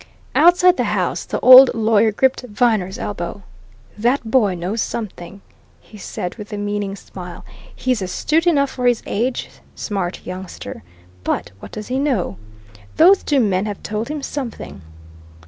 Outside the house the old lawyer gripped Viner's elbow. "That boy knows something!" he said with a meaning smile. "He's astute enough for his age smart youngster! But what does he know? Those two men have told him something.